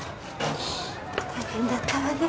大変だったわね